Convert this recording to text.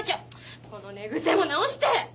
この寝癖も直して！